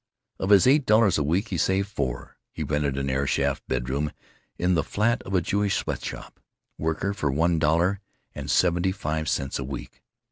Of his eight dollars a week he saved four. He rented an airshaft bedroom in the flat of a Jewish sweatshop worker for one dollar and seventy five cents a week.